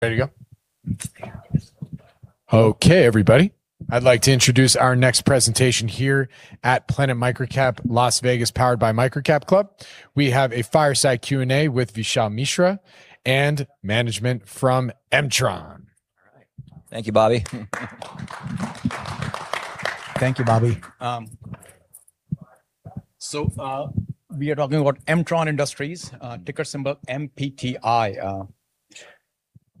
There you go. Okay, everybody. I'd like to introduce our next presentation here at Planet MicroCap Las Vegas, powered by MicroCapClub. We have a fireside Q&A with Vishal Mishra and management from M-tron. All right. Thank you, Bobby. Thank you, Bobby. We are talking about M-tron Industries, ticker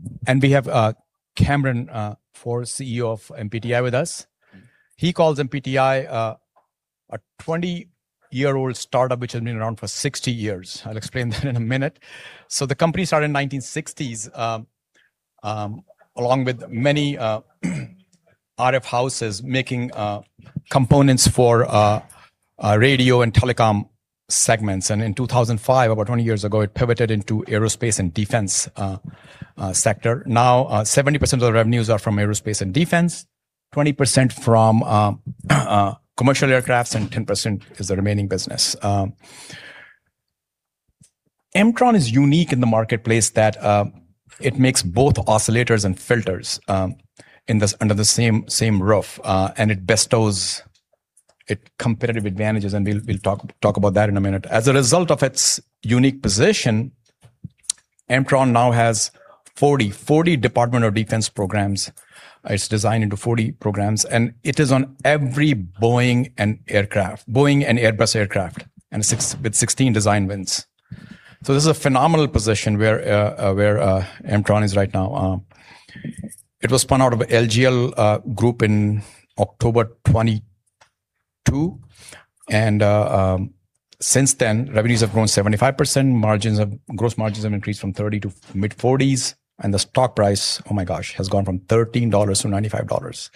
symbol MPTI. We have Cameron Pforr, CEO of MPTI, with us. He calls MPTI a 20-year-old startup, which has been around for 60 years. I'll explain that in a minute. The company started in the 1960s, along with many RF houses, making components for radio and telecom segments. In 2005, about 20 years ago, it pivoted into the aerospace and defense sector. Now, 70% of the revenues are from aerospace and defense, 20% from commercial aircraft, and 10% is the remaining business. M-tron is unique in the marketplace that it makes both oscillators and filters under the same roof, and it bestows competitive advantages, and we'll talk about that in a minute. As a result of its unique position, M-tron now has 40 Department of Defense programs. It's designed into 40 programs, and it is on every Boeing and Airbus aircraft, with 16 design wins. This is a phenomenal position where M-tron is right now. It was spun out of The LGL Group, Inc. in October 2022, and since then, revenues have grown 75%, gross margins have increased from 30 to mid-40s, and the stock price, oh my gosh, has gone from $13 to $95.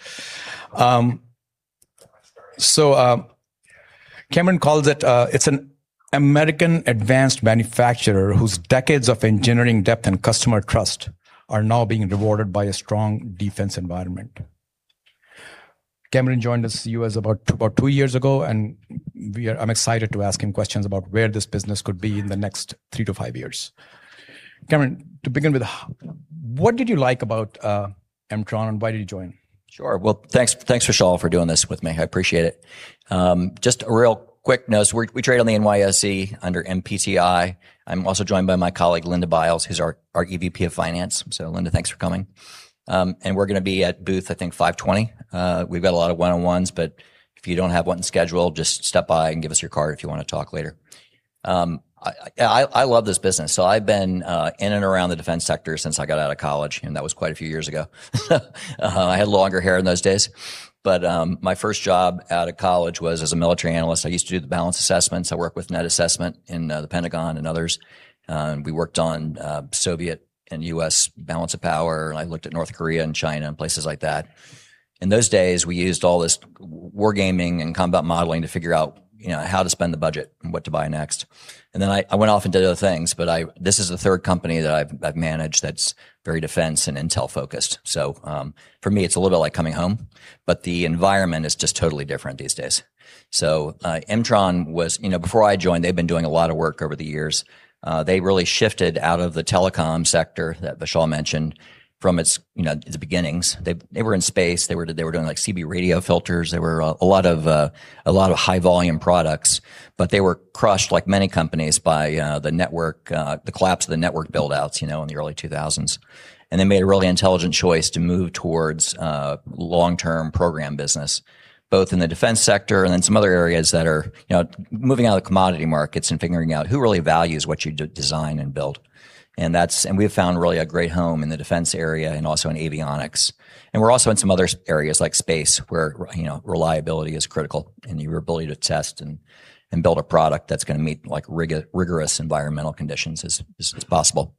Cameron calls it's an American advanced manufacturer whose decades of engineering depth and customer trust are now being rewarded by a strong defense environment. Cameron joined us about two years ago, and I'm excited to ask him questions about where this business could be in the next three to five years. Cameron, to begin with, what did you like about M-tron and why did you join? Sure. Thanks, Vishal, for doing this with me. I appreciate it. Just a real quick note, we trade on the NYSE under MPTI. I'm also joined by my colleague, Linda Biles, who's our EVP of Finance. Linda, thanks for coming. We're going to be at booth, I think, 520. We've got a lot of one-on-ones, but if you don't have one scheduled, just stop by and give us your card if you want to talk later. I love this business. I've been in and around the defense sector since I got out of college, and that was quite a few years ago. I had longer hair in those days. My first job out of college was as a military analyst. I used to do the balance assessments. I worked with Net Assessment in the Pentagon and others. We worked on Soviet and U.S. balance of power. I looked at North Korea and China and places like that. In those days, we used all this war gaming and combat modeling to figure out how to spend the budget and what to buy next. I went off and did other things, but this is the third company that I've managed that's very defense and intel focused. For me, it's a little bit like coming home, but the environment is just totally different these days. M-tron was, before I joined, they'd been doing a lot of work over the years. They really shifted out of the telecom sector, that Vishal mentioned, from its beginnings. They were in space. They were doing CB radio filters. They were a lot of high volume products, but they were crushed, like many companies, by the collapse of the network build-outs in the early 2000s. They made a really intelligent choice to move towards long-term program business, both in the defense sector and then some other areas that are moving out of the commodity markets and figuring out who really values what you design and build. We've found really a great home in the defense area and also in avionics. We're also in some other areas like space, where reliability is critical and your ability to test and build a product that's going to meet rigorous environmental conditions as possible.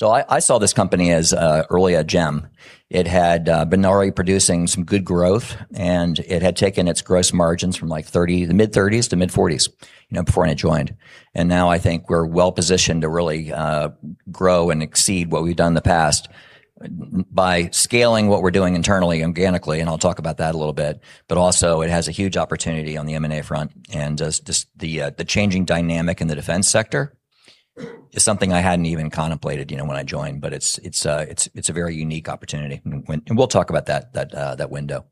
I saw this company as early a gem. It had been already producing some good growth, and it had taken its gross margins from the mid-30s to mid-40s, before I joined. Now I think we're well-positioned to really grow and exceed what we've done in the past by scaling what we're doing internally, organically, and I'll talk about that a little bit, but also it has a huge opportunity on the M&A front. Just the changing dynamic in the defense sector is something I hadn't even contemplated when I joined, but it's a very unique opportunity. We'll talk about that window.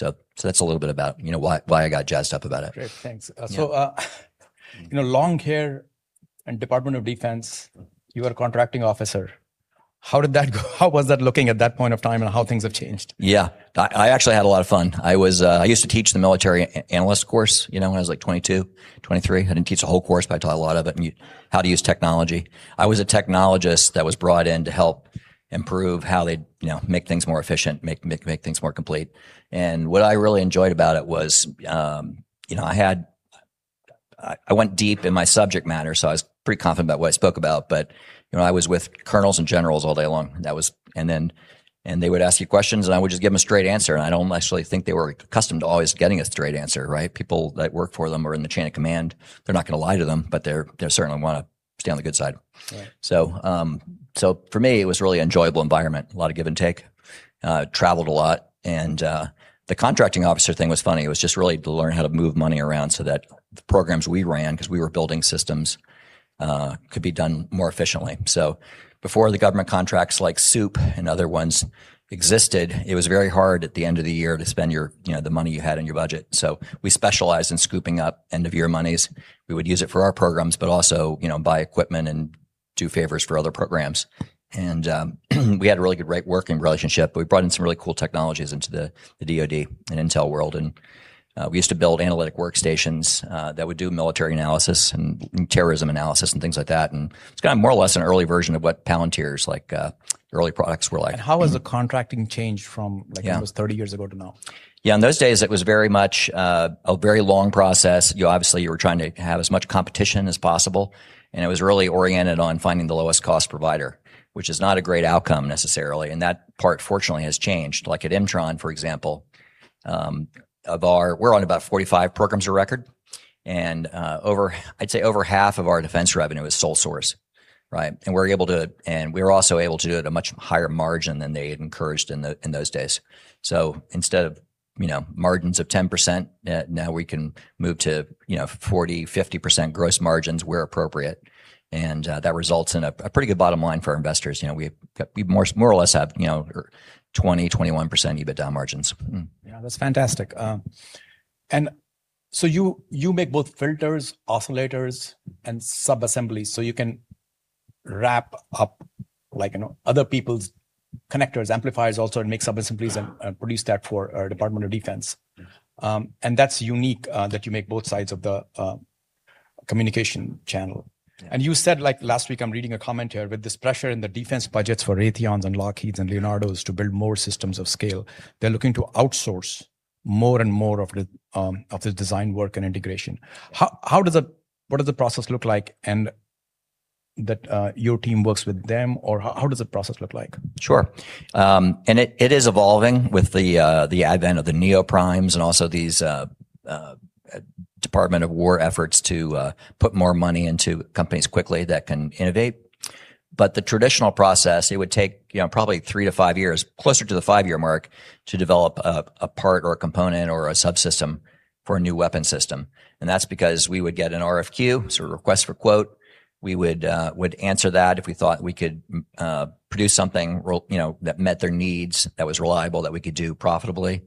That's a little bit about why I got jazzed up about it. Great. Thanks. Yeah. Long hair and Department of Defense, you were contracting officer. How did that go? How was that looking at that point of time and how things have changed? Yeah. I actually had a lot of fun. I used to teach the military analyst course when I was 22, 23. I didn't teach the whole course, but I taught a lot of it, and how to use technology. I was a technologist that was brought in to help improve how they'd make things more efficient, make things more complete. What I really enjoyed about it was, I went deep in my subject matter, so I was pretty confident about what I spoke about, but I was with colonels and generals all day long. They would ask you questions, and I would just give them a straight answer, and I don't actually think they were accustomed to always getting a straight answer, right? People that work for them are in the chain of command. They're not going to lie to them, they certainly want to stay on the good side. Right. For me, it was a really enjoyable environment. A lot of give and take. Traveled a lot. The contracting officer thing was funny. It was just really to learn how to move money around so that the programs we ran because we were building systems could be done more efficiently. Before the government contracts like SEWP and other ones existed, it was very hard at the end of the year to spend the money you had in your budget. We specialized in scooping up end of year monies. We would use it for our programs, but also buy equipment and do favors for other programs. We had a really good working relationship. We brought in some really cool technologies into the DoD and intel world. We used to build analytic workstations that would do military analysis and terrorism analysis and things like that. It's more or less an early version of what Palantir's early products were like. How has the contracting changed from- Yeah almost 30 years ago to now? Yeah, in those days it was very much a very long process. Obviously you were trying to have as much competition as possible, it was really oriented on finding the lowest-cost provider, which is not a great outcome necessarily, that part fortunately has changed. Like at M-tron, for example, we're on about 45 programs of record, I'd say over half of our defense revenue is sole source, right? We're also able to do it at a much higher margin than they had encouraged in those days. Instead of margins of 10%, now we can move to 40%, 50% gross margins where appropriate, that results in a pretty good bottom line for our investors. We more or less have 20%, 21% EBITDA margins. Yeah. That's fantastic. You make both filters, oscillators, and sub-assemblies, so you can wrap up other people's connectors, amplifiers also, and make sub-assemblies and produce that for our Department of Defense. Yeah. That's unique that you make both sides of the communication channel. Yeah. You said last week, I'm reading a comment here, with this pressure in the defense budgets for Raytheons and Lockheeds and Leonardos to build more systems of scale, they're looking to outsource more and more of the design work and integration. What does the process look like, and that your team works with them, or how does the process look like? It is evolving with the advent of the neo-primes and also these Department of War efforts to put more money into companies quickly that can innovate. The traditional process, it would take probably three to five years, closer to the five-year mark, to develop a part or a component or a subsystem for a new weapon system. That's because we would get an RFQ, so a request for quote. We would answer that if we thought we could produce something that met their needs, that was reliable, that we could do profitably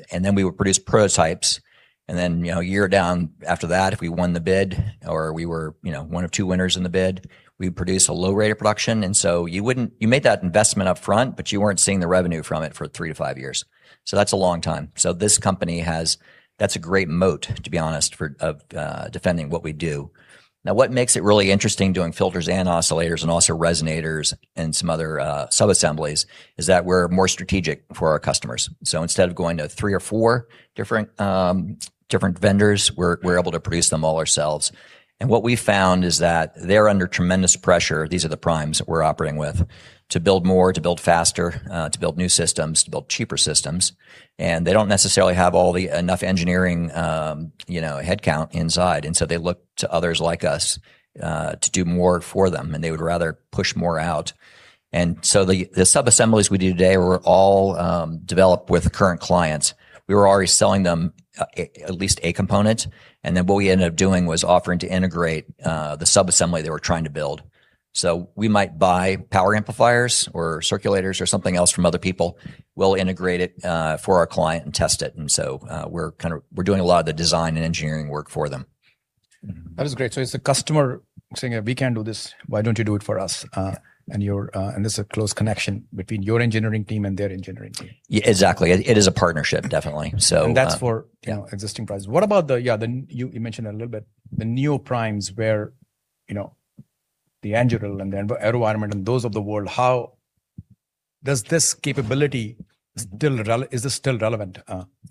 at a decent margin. Then we would produce prototypes, and then a year down after that, if we won the bid or we were one of two winners in the bid, we'd produce a low rate of production. You made that investment up front, but you weren't seeing the revenue from it for three to five years. That's a long time. That's a great moat, to be honest, for defending what we do. What makes it really interesting doing filters and oscillators and also resonators and some other sub-assemblies is that we're more strategic for our customers. Instead of going to three or four different vendors, we're able to produce them all ourselves. What we've found is that they're under tremendous pressure, these are the primes that we're operating with, to build more, to build faster, to build new systems, to build cheaper systems, and they don't necessarily have enough engineering headcount inside. They look to others like us to do more for them, and they would rather push more out. The sub-assemblies we do today were all developed with the current clients. We were already selling them at least a component. Then what we ended up doing was offering to integrate the sub-assembly they were trying to build. We might buy power amplifiers or circulators or something else from other people. We'll integrate it for our client and test it. We're doing a lot of the design and engineering work for them. That is great. It's the customer saying, "We can't do this. Why don't you do it for us? Yeah. This is a close connection between your engineering team and their engineering team. Yeah, exactly. It is a partnership, definitely. And that's for- Yeah Existing prices. What about the, you mentioned it a little bit, the neo-primes where the Anduril and the AeroVironment and those of the world, how does this capability, is this still relevant?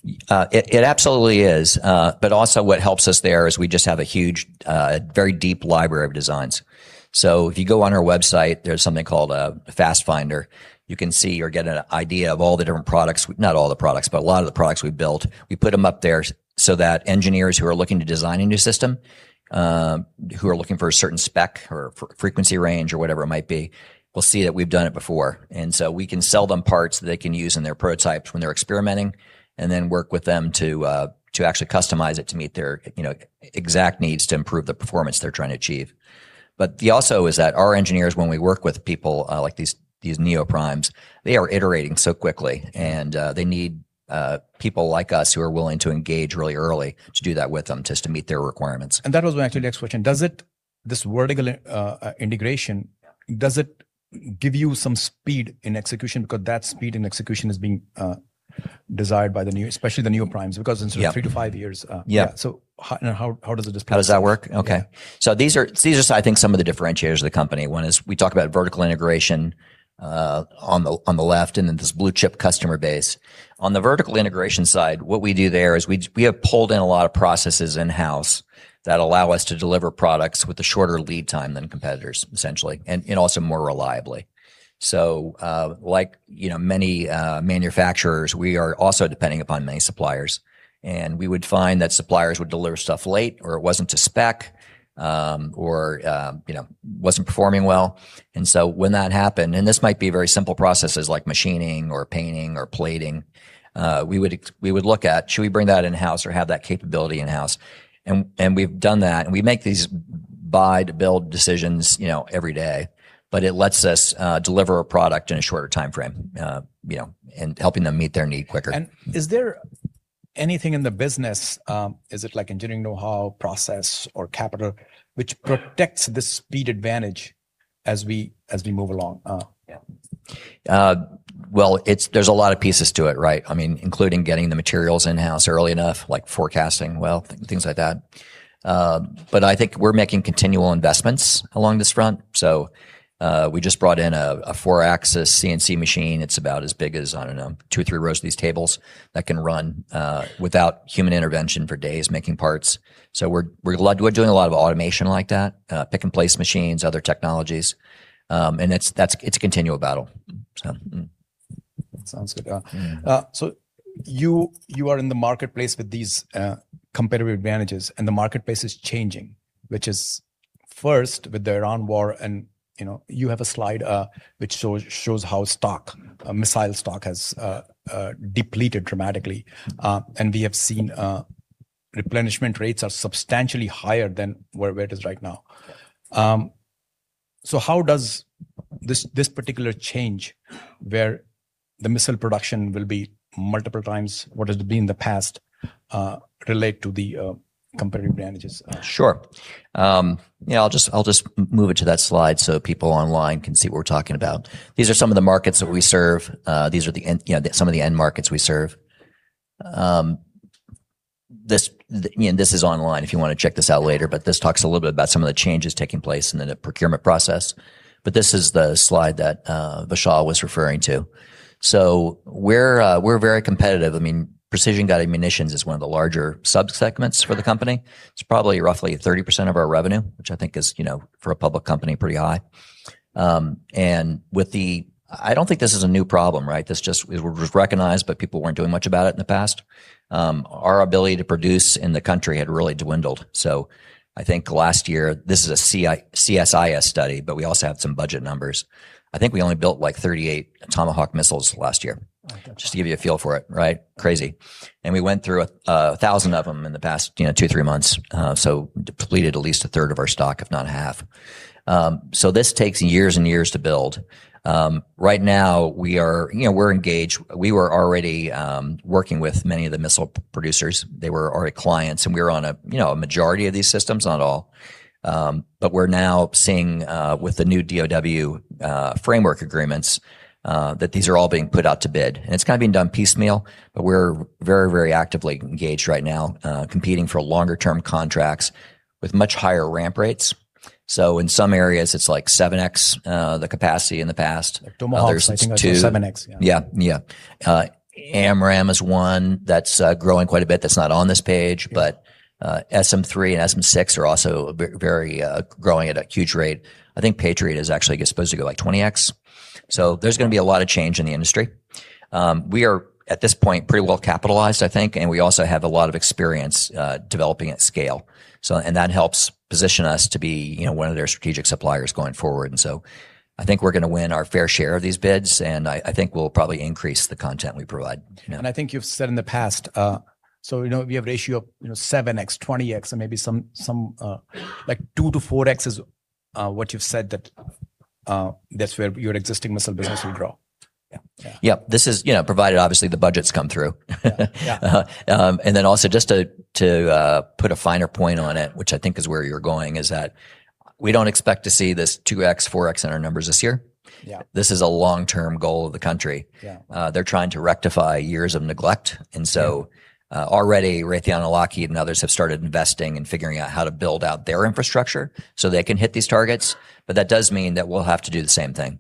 It absolutely is. Also what helps us there is we just have a huge, very deep library of designs. If you go on our website, there's something called a FastFinder. You can see or get an idea of all the different products, not all the products, but a lot of the products we've built. We put them up there so that engineers who are looking to design a new system, who are looking for a certain spec or frequency range or whatever it might be, will see that we've done it before. We can sell them parts they can use in their prototypes when they're experimenting and then work with them to actually customize it to meet their exact needs to improve the performance they're trying to achieve. The also is that our engineers, when we work with people like these neo-primes, they are iterating so quickly, and they need people like us who are willing to engage really early to do that with them just to meet their requirements. That was my actually next question. Does this vertical integration, does it give you some speed in execution? Because that speed in execution is being desired by especially the neo-primes. Yeah Three to five years. Yeah. So how does this process- How does that work? Okay. These are, I think, some of the differentiators of the company. One is we talk about vertical integration on the left and then this blue-chip customer base. On the vertical integration side, what we do there is we have pulled in a lot of processes in-house that allow us to deliver products with a shorter lead time than competitors, essentially, and also more reliably. Like many manufacturers, we are also depending upon many suppliers, and we would find that suppliers would deliver stuff late, or it wasn't to spec or wasn't performing well. When that happened, and this might be very simple processes like machining or painting or plating, we would look at, should we bring that in-house or have that capability in-house? We've done that, and we make these buy to build decisions every day. It lets us deliver a product in a shorter timeframe, and helping them meet their need quicker. Is there anything in the business, is it like engineering knowhow, process, or capital, which protects the speed advantage as we move along? Well, there's a lot of pieces to it, right? Including getting the materials in-house early enough, like forecasting well, things like that. I think we're making continual investments along this front. We just brought in a four-axis CNC machine. It's about as big as, I don't know, two or three rows of these tables, that can run without human intervention for days, making parts. We're doing a lot of automation like that, pick-and-place machines, other technologies, and it's a continual battle. That sounds good. Yeah. You are in the marketplace with these competitive advantages, and the marketplace is changing. Which is first with the Iran war, and you have a slide which shows how stock, missile stock has depleted dramatically. We have seen replenishment rates are substantially higher than where it is right now. Yeah. How does this particular change, where the missile production will be multiple times what it had been in the past, relate to the competitive advantages? Sure. I'll just move it to that slide so people online can see what we're talking about. These are some of the markets that we serve. These are some of the end markets we serve. This is online if you want to check this out later. This talks a little bit about some of the changes taking place in the procurement process. This is the slide that Vishal Mishra was referring to. We're very competitive. Precision guided munitions is one of the larger sub-segments for the company. It's probably roughly 30% of our revenue, which I think is, for a public company, pretty high. I don't think this is a new problem. This just was recognized, but people weren't doing much about it in the past. Our ability to produce in the country had really dwindled. I think last year, this is a Center for Strategic and International Studies study. We also have some budget numbers. I think we only built like 38 Tomahawk missiles last year. Oh, got you. Just to give you a feel for it. Crazy. We went through 1,000 of them in the past two, three months. Depleted at least a third of our stock, if not half. This takes years and years to build. Right now, we're engaged. We were already working with many of the missile producers. They were already clients. We were on a majority of these systems, not all. We're now seeing with the new DoW framework agreements that these are all being put out to bid. It's kind of being done piecemeal. We're very actively engaged right now, competing for longer term contracts with much higher ramp rates. In some areas it's like 7X the capacity in the past. Like Tomahawks, I think are two 7x. Yeah. Yeah. AMRAAM is one that's growing quite a bit, that's not on this page. Yeah. SM-3 and SM-6 are also growing at a huge rate. I think Patriot is actually supposed to go like 20x. There's going to be a lot of change in the industry. We are, at this point, pretty well capitalized, I think, and we also have a lot of experience developing at scale. That helps position us to be one of their strategic suppliers going forward. I think we're going to win our fair share of these bids, and I think we'll probably increase the content we provide. Yeah. I think you've said in the past, so we have a ratio of 7x, 20x, and maybe some like 2 to 4x is what you've said that's where your existing missile business will grow. This is provided obviously the budgets come through. Yeah. Also just to put a finer point on it, which I think is where you're going, is that we don't expect to see this 2x, 4x in our numbers this year. Yeah. This is a long-term goal of the country. Yeah. They're trying to rectify years of neglect. Yeah. Already Raytheon and Lockheed and others have started investing and figuring out how to build out their infrastructure so they can hit these targets. That does mean that we'll have to do the same thing.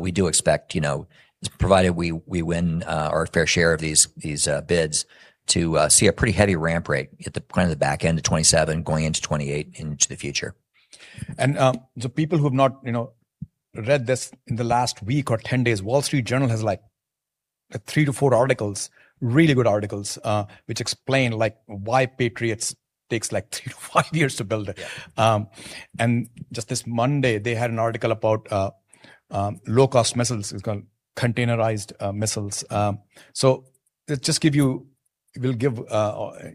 We do expect, provided we win our fair share of these bids, to see a pretty heavy ramp rate hit the kind of the back end of 2027 going into 2028 into the future. The people who have not read this in the last week or 10 days, The Wall Street Journal has like three to four articles, really good articles, which explain why Patriot takes like three to five years to build it. Yeah. Just this Monday, they had an article about low-cost missiles. It's called containerized missiles. It will give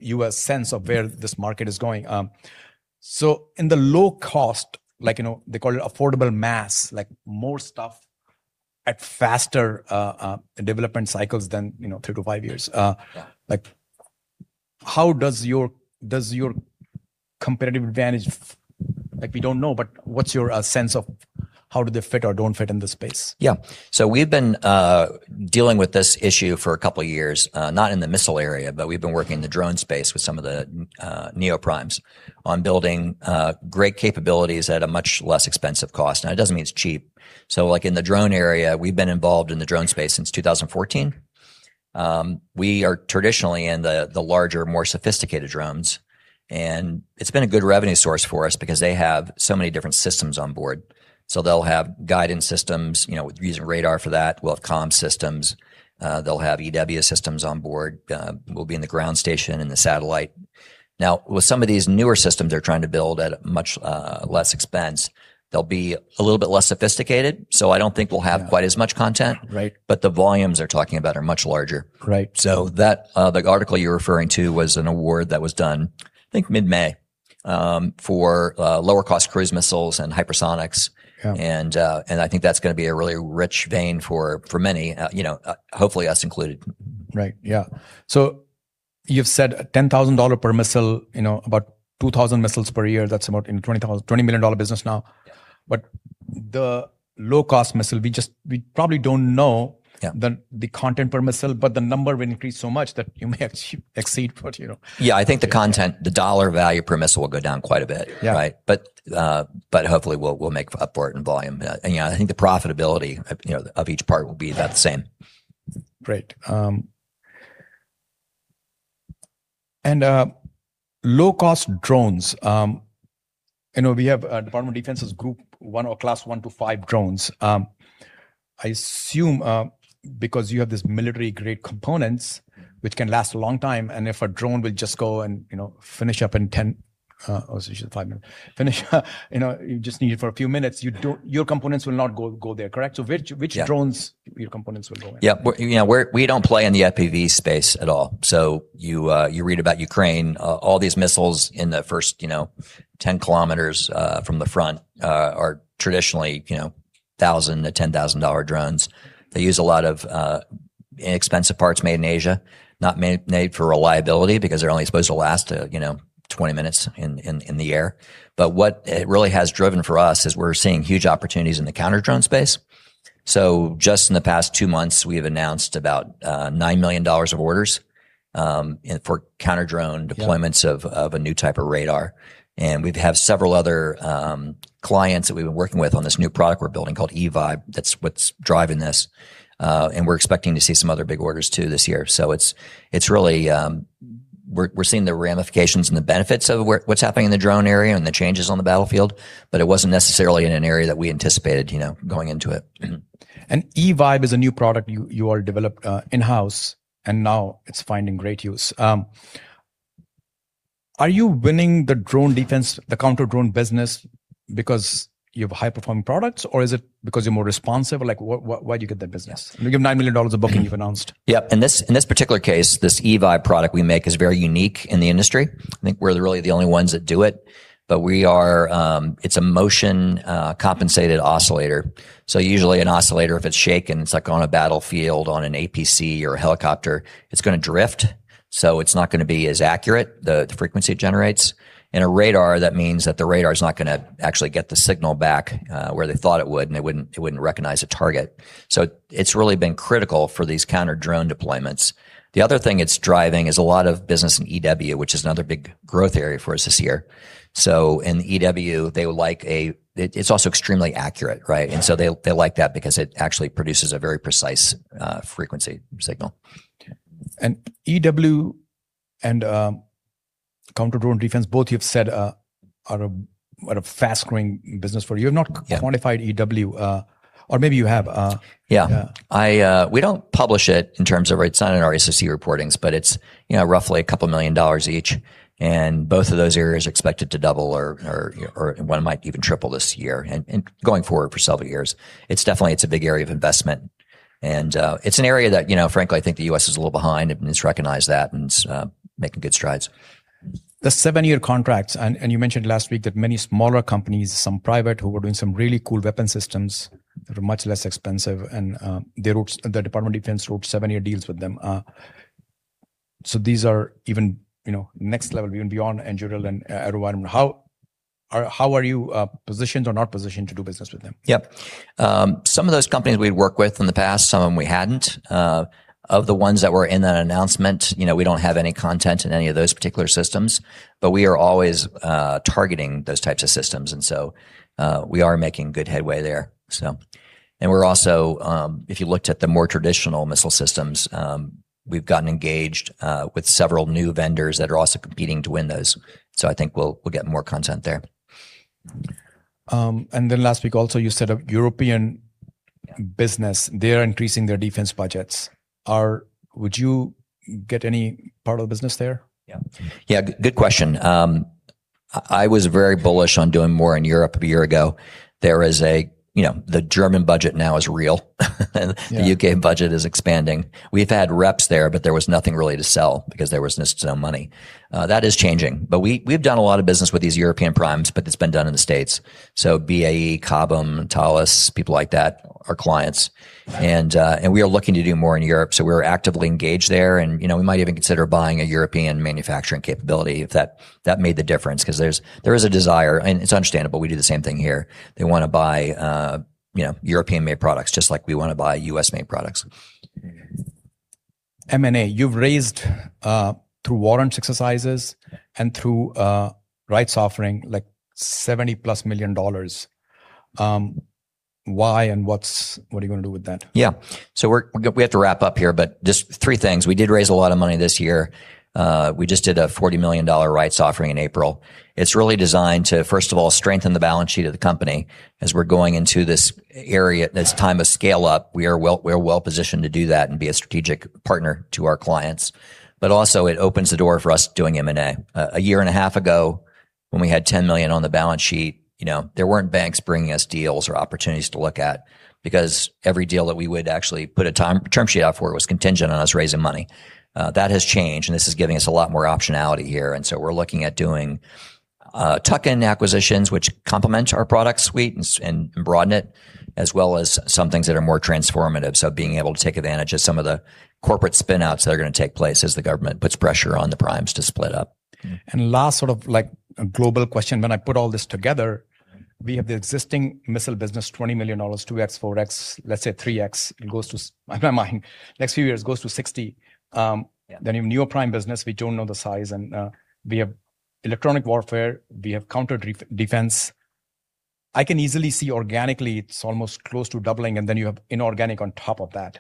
you a sense of where this market is going. In the low cost, they call it affordable mass, like more stuff at faster development cycles than three to five years. Yeah. How does your competitive advantage, we don't know, what's your sense of how do they fit or don't fit in this space? Yeah. We've been dealing with this issue for a couple of years. Not in the missile area, but we've been working in the drone space with some of the neo-primes on building great capabilities at a much less expensive cost. It doesn't mean it's cheap. In the drone area, we've been involved in the drone space since 2014. We are traditionally in the larger, more sophisticated drones, and it's been a good revenue source for us because they have so many different systems on board. They'll have guidance systems, with using radar for that. We'll have comm systems. They'll have EW systems on board, will be in the ground station and the satellite. Now, with some of these newer systems they're trying to build at much less expense, they'll be a little bit less sophisticated. I don't think we'll have quite as much content. Right. The volumes they're talking about are much larger. Right. That article you're referring to was an award that was done, I think, mid-May, for lower-cost cruise missiles and hypersonics. Yeah. I think that's going to be a really rich vein for many, hopefully us included. Right. Yeah. You've said a $10,000 per missile, about 2,000 missiles per year. That's about a $20 million business now. Yeah. The low-cost missile, we probably don't know- Yeah The content per missile, but the number will increase so much that you may actually exceed what you know. Yeah, I think the content, the dollar value per missile will go down quite a bit, right? Yeah. Hopefully, we'll make up for it in volume. I think the profitability of each part will be about the same. Great. Low-cost drones. We have Department of Defense's Group 1 or Class 1, 2, 5 drones. I assume because you have these military-grade components which can last a long time, and if a drone will just go and finish up in 10, or actually should be five minutes. You just need it for a few minutes, your components will not go there, correct? Which- Yeah Drones your components will go in? Yeah. We don't play in the FPV space at all. You read about Ukraine. All these missiles in the first 10 kilometers from the front are traditionally $1,000-$10,000 drones. They use a lot of inexpensive parts made in Asia, not made for reliability because they're only supposed to last 20 minutes in the air. What it really has driven for us is we're seeing huge opportunities in the counter-drone space. Just in the past two months, we have announced about $9 million of orders for counter-drone deployments- Yeah We have several other clients that we've been working with on this new product we're building called eVIBE, that's what's driving this. We're expecting to see some other big orders too this year. We're seeing the ramifications and the benefits of what's happening in the drone area and the changes on the battlefield, but it wasn't necessarily in an area that we anticipated going into it. eVIBE is a new product you all developed in-house, and now it's finding great use. Are you winning the counter drone business because you have high-performing products, or is it because you're more responsive? Why'd you get that business? You give $9 million of booking you've announced. Yep. In this particular case, this eVIBE product we make is very unique in the industry. I think we're really the only ones that do it. It's a motion-compensated oscillator. Usually an oscillator, if it's shaken, it's like on a battlefield, on an APC or a helicopter, it's going to drift, so it's not going to be as accurate, the frequency it generates. In a radar, that means that the radar's not going to actually get the signal back where they thought it would, and it wouldn't recognize a target. It's really been critical for these counter-drone deployments. The other thing it's driving is a lot of business in EW, which is another big growth area for us this year. In EW, it's also extremely accurate, right? Yeah. They like that because it actually produces a very precise frequency signal. Okay. EW and counter-drone defense both you've said are a fast-growing business for you. You've not- Yeah quantified EW. Maybe you have. Yeah. Yeah. We don't publish it in terms of it's not in our SEC reportings, but it's roughly $2 million each. Both of those areas are expected to double or one might even triple this year, and going forward for several years. It's definitely a big area of investment, and it's an area that frankly, I think the U.S. is a little behind and needs to recognize that and is making good strides. The seven-year contracts, and you mentioned last week that many smaller companies, some private, who were doing some really cool weapon systems that are much less expensive, and the Department of Defense wrote seven-year deals with them. These are even next level, even beyond Anduril and AeroVironment. How are you positioned or not positioned to do business with them? Yep. Some of those companies we'd worked with in the past, some of them we hadn't. Of the ones that were in that announcement, we don't have any content in any of those particular systems. We are always targeting those types of systems. We are making good headway there. We're also, if you looked at the more traditional missile systems, we've gotten engaged with several new vendors that are also competing to win those. I think we'll get more content there. Last week also, you said of European business, they're increasing their defense budgets. Would you get any part of the business there? Yeah. Good question. I was very bullish on doing more in Europe a year ago. The German budget now is real. Yeah The U.K. budget is expanding. We've had reps there was nothing really to sell because there was just no money. That is changing. We've done a lot of business with these European primes, that's been done in the U.S. BAE, Cobham, Thales, people like that, are clients. We are looking to do more in Europe. We're actively engaged there, and we might even consider buying a European manufacturing capability if that made the difference. Because there is a desire, and it's understandable. We do the same thing here. They want to buy European-made products, just like we want to buy U.S.-made products. M&A, you've raised through warrant exercises and through rights offering, like $70+ million. Why, what are you going to do with that? Yeah. We have to wrap up here, just three things. We did raise a lot of money this year. We just did a $40 million rights offering in April. It's really designed to, first of all, strengthen the balance sheet of the company as we're going into this area. This time of scale up, we're well-positioned to do that and be a strategic partner to our clients. Also, it opens the door for us doing M&A. A year and a half ago, when we had $10 million on the balance sheet, there weren't banks bringing us deals or opportunities to look at because every deal that we would actually put a term sheet out for was contingent on us raising money. That has changed, this is giving us a lot more optionality here. We're looking at doing tuck-in acquisitions, which complement our product suite and broaden it, as well as some things that are more transformative. Being able to take advantage of some of the corporate spin-outs that are going to take place as the government puts pressure on the primes to split up. Last sort of like global question. When I put all this together, we have the existing missile business, $20 million, two x, four x, let's say three x, in my mind, next few years goes to $60 million. Yeah. Your prime business, we don't know the size, and we have electronic warfare, we have counter defense. I can easily see organically it's almost close to doubling, and then you have inorganic on top of that.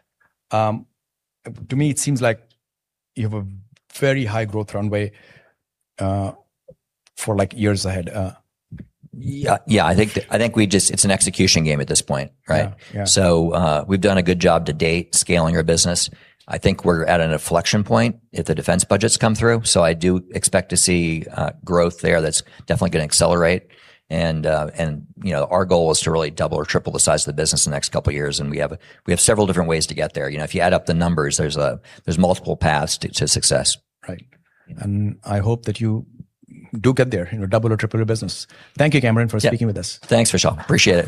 To me, it seems like you have a very high growth runway for years ahead. Yeah. I think it's an execution game at this point, right? Yeah. We've done a good job to date scaling our business. I think we're at an inflection point if the defense budgets come through, so I do expect to see growth there that's definitely going to accelerate. Our goal is to really double or triple the size of the business in the next couple of years, and we have several different ways to get there. If you add up the numbers, there's multiple paths to success. Right. I hope that you do get there, double or triple your business. Thank you, Cameron, for speaking with us. Thanks, Vishal. Appreciate it.